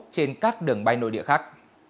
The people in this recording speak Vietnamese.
trên các đường bay nội địa khác